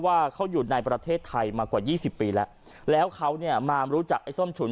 ว่าเขาอยู่ในประเทศไทยมากว่ายี่สิบปีแล้วแล้วเขาเนี่ยมารู้จักไอ้ส้มฉุน